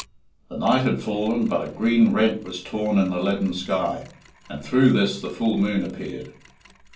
The night had fallen, but a green rent was torn in the leaden sky, and through this the full moon appeared.